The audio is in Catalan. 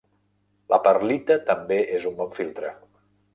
La perlita també és un bon filtre.